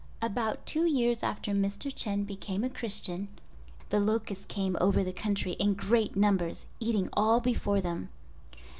About two years after Mr. Chen became a Christian the locusts came over the country in great numbers, eating all before them.